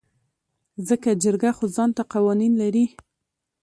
ځکه جرګه خو ځانته قوانين لري .